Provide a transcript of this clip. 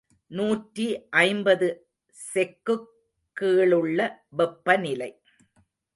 நூற்றி ஐம்பது செக்குக் கீழுள்ள வெப்பநிலை.